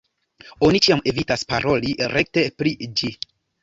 Oni ĉiam evitas paroli rekte pri ĝi.